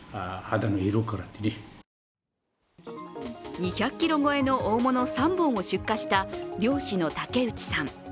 ２００ｋｇ超えの大物３本を出荷した漁師の竹内さん。